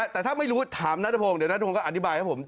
แต่ถ้าไม่รู้ถามนัทพงศ์เดี๋ยวนัทพงศ์ก็อธิบายให้ผม